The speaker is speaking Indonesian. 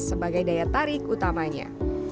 sebagai daya tarik utamanya